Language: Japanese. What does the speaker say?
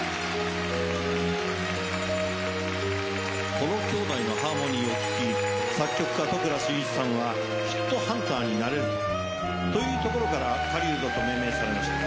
この兄弟のハーモニーを聴き作曲家都倉俊一さんはヒットハンターになれるというところから狩人と命名されました。